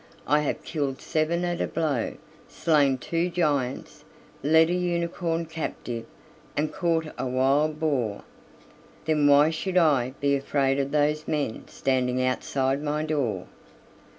I have killed seven at a blow, slain two giants, led a unicorn captive, and caught a wild boar, then why should I be afraid of those men standing outside my door?"